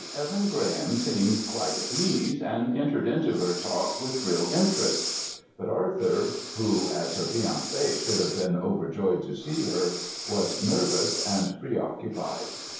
Evan Graham seemed quite at ease and entered into her talk with real interest, but Arthur who as her fiancé should have been overjoyed to see her was nervous and preoccupied.